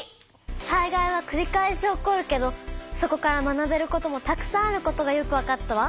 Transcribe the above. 災害はくり返し起こるけどそこから学べることもたくさんあることがよくわかったわ！